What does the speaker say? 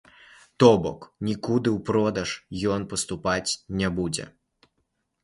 То бок нікуды ў продаж ён паступаць не будзе.